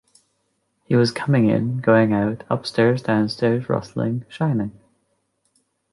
he was coming in, going out, upstairs, downstairs, rustling, shining.